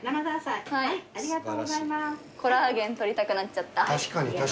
コラーゲン取りたくなっちゃった。